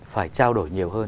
phải trao đổi nhiều hơn